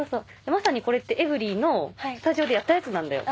まさにこれって『ｅｖｅｒｙ．』のスタジオでやったやつなんだよ。